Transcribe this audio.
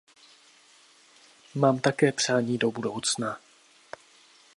Mám také přání do budoucna.